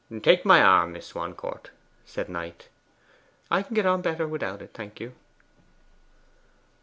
'Take my arm, Miss Swancourt,' said Knight. 'I can get on better without it, thank you.